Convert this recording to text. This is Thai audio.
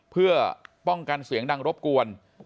เพื่อป้องกันเสียงดังรบกวน